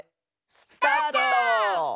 スタート！